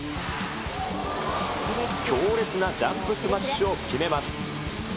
強烈なジャンプスマッシュを決めます。